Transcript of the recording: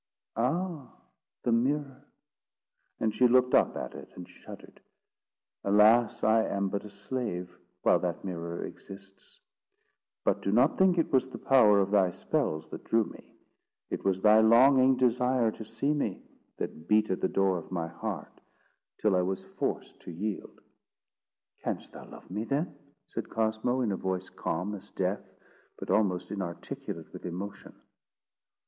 "Ah, the mirror!" and she looked up at it, and shuddered. "Alas! I am but a slave, while that mirror exists. But do not think it was the power of thy spells that drew me; it was thy longing desire to see me, that beat at the door of my heart, till I was forced to yield." "Canst thou love me then?" said Cosmo, in a voice calm as death, but almost inarticulate with emotion.